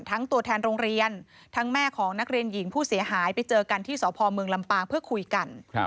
ตัวแทนโรงเรียนทั้งแม่ของนักเรียนหญิงผู้เสียหายไปเจอกันที่สพเมืองลำปางเพื่อคุยกัน